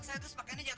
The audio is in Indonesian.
udah udah biarin banget